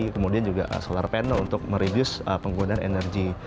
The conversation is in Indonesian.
kemudian juga solar panel untuk mereduce penggunaan energi